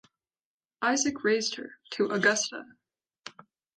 Isaac raised her to "Augusta".